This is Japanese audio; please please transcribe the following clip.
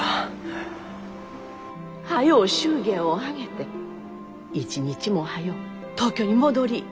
早う祝言を挙げて一日も早う東京に戻りい。